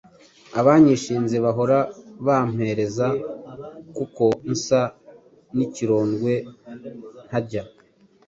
Abanyishinze bahora bampereza kuko nsa n’ikirondwe ntajya